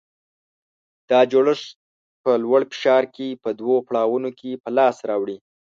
دا جوړښت په لوړ فشار کې په دوه پړاوونو کې په لاس راوړي.